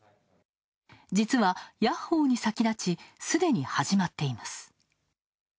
実は、ヤッホーに先立ちすでに始まっています。